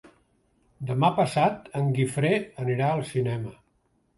Demà passat en Guifré anirà al cinema.